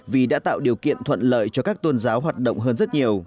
vì đã tạo điều kiện thuận lợi cho các tôn giáo hoạt động hơn rất nhiều